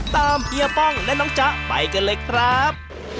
เฮียป้องและน้องจ๊ะไปกันเลยครับ